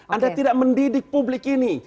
anda tidak mendidik publik ini